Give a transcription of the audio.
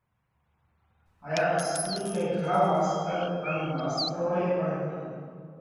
هائيا اِسڪُول ۾ گھڻا ماستر ان ماستروڻي پڻ هتي۔